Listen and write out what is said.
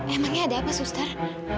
emangnya ada apa suster